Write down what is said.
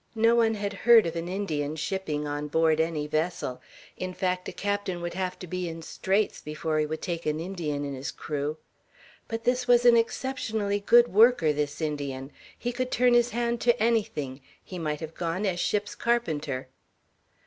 No one had heard of an Indian shipping on board any vessel; in fact, a captain would have to be in straits before he would take an Indian in his crew. "But this was an exceptionally good worker, this Indian; he could turn his hand to anything; he might have gone as ship's carpenter."